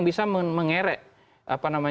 eh partai partai yang lain